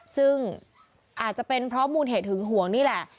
ซึ่งอาจจะเป็นเพราะมูลเหตุหึงห่วงนี่แหละ